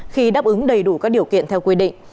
khi đáp ứng đầy đủ các điều kiện theo quy định